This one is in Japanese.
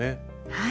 はい。